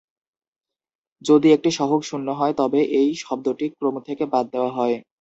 যদি একটি সহগ শূন্য হয়, তবে এই শব্দটি ক্রম থেকে বাদ দেওয়া হয়।